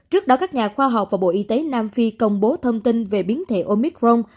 những nhà khoa học và bộ y tế nam phi công bố thông tin về biến thể omicron